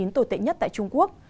tồi tệ nhất tại trung quốc